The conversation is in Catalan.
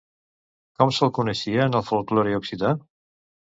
Com se'l coneixia en el folklore occità?